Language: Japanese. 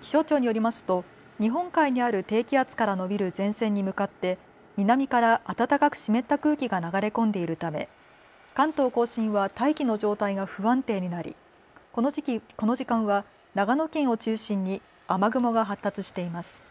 気象庁によりますと日本海にある低気圧から延びる前線に向かって南から暖かく湿った空気が流れ込んでいるため、関東甲信は大気の状態が不安定になりこの時間は長野県を中心に雨雲が発達しています。